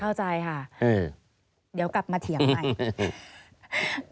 เข้าใจค่ะเดี๋ยวกลับมาเถียงใหม่